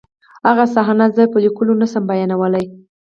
هغه صحنه زه په لیکلو نشم بیانولی